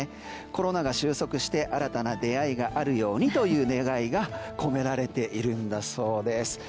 コロナが収束して新たな出会いがあるようにという願いが込められているそうです。